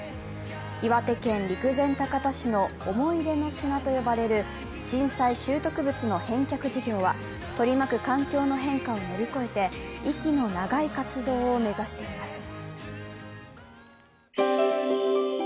岩手県陸前高田市の思い出の品と呼ばれる震災拾得物の返却事業は取り巻く環境の変化を乗り越えて息の長い活動を目指しています。